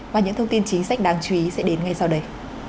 và những thông tin chính sách đáng chú ý sẽ đến ngay sau đây